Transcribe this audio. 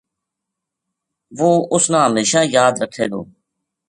وہ اس نا ہمیشاں یاد رکھے گو